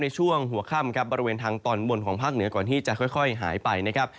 ช่วงหัวค่ำครับบริเวณทางตอนบนของภาคเหนือก่อนที่จะค่อยหายไปนะครับ